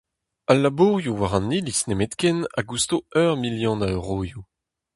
Al labourioù war an iliz nemetken a gousto ur milion a euroioù.